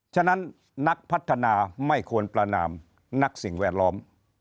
ฉะนั้นนักพัฒนาไม่ควรประนามนักสิ่งแวดล้อม